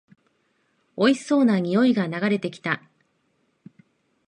おいしそうな匂いが流れてきた